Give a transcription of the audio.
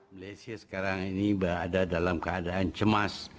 malaysia sekarang ini berada dalam keadaan cemas